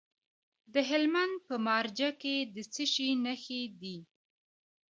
د هلمند په مارجه کې د څه شي نښې دي؟